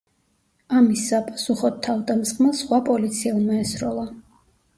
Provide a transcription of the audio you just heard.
ამის საპასუხოდ, თავდამსხმელს სხვა პოლიციელმა ესროლა.